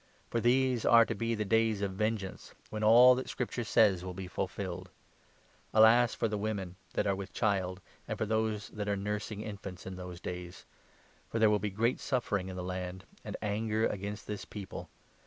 For these are to be the Days of Vengeance, 22 when all that Scripture says will be fulfilled. Alas for the 23 women that are with child, and for those that are nursing infants in those days ! For there will be great suffering in the land, and anger against this people.